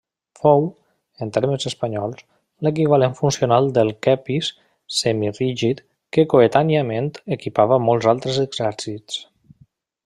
Fou, en termes espanyols, l'equivalent funcional del quepis semirígid que coetàniament equipava molts altres exèrcits.